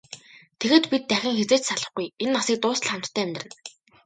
Тэгээд бид дахин хэзээ ч салахгүй, энэ насыг дуустал хамтдаа амьдарна.